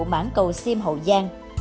mãn cầu sim hậu giang